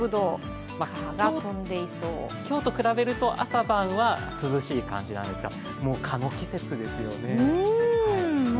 今日と比べると朝晩は涼しい感じなんですが、もう蚊の季節ですよね。